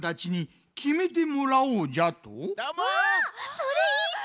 それいいち！